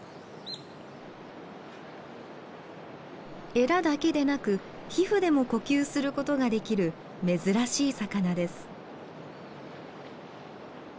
エラだけでなく皮膚でも呼吸することができる珍しい魚です。